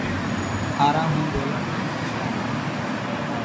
آروم هون ٻولڻ هيَڪ سُٺِي عادت هيَ۔